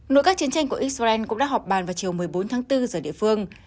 nội các chiến tranh của israel cũng đã họp bàn vào chiều một mươi bốn tháng bốn giờ địa phương